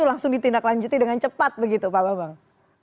atau langsung ditindak lanjuti dengan cepat begitu pak bambang